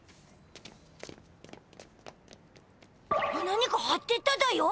何かはってっただよ！